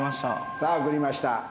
さあ送りました。